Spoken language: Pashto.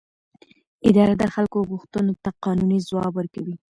اداره د خلکو غوښتنو ته قانوني ځواب ورکوي.